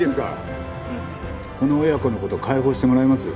この親子の事解放してもらえます？